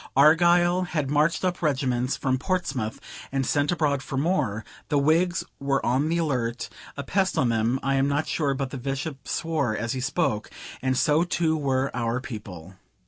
Argyle had marched up regiments from Portsmouth, and sent abroad for more; the Whigs were on the alert, a pest on them, (I am not sure but the Bishop swore as he spoke,) and so too were our people.